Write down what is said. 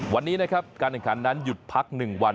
วันนี้นะครับการแข่งขันนั้นหยุดพัก๑วัน